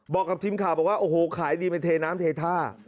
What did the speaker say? บอกกับทีมข่าวบอกว่าโอ้โหขายดีเป็นเทน้ำเทท่า